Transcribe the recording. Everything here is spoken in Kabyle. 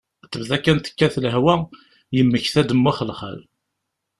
Tebda kan tekkat lehwa, yemmekta-d mm uxelxal.